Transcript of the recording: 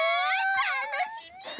たのしみ！